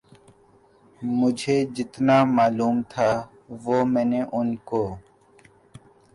مجھے جتنا معلوم تھا وہ میں نے ان کو